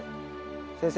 先生。